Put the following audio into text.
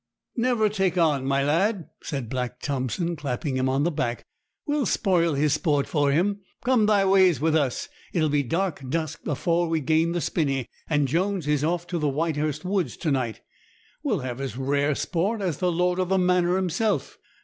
'Never take on, my lad,' said Black Thompson, clapping him on the back; 'we'll spoil his sport for him. Come thy ways with us; it'll be dark dusk afore we gain the spinny, and Jones is off to the Whitehurst woods to night. We'll have as rare sport as the lord of the manor himself.